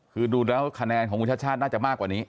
คือดูแล้วคะแนนของคุณชาติชาติน่าจะมากกว่านี้